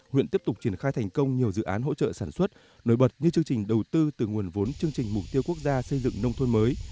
huyện tiếp tục triển khai thành công nhiều dự án hỗ trợ sản xuất nổi bật như chương trình đầu tư từ nguồn vốn chương trình mục tiêu quốc gia xây dựng nông thôn mới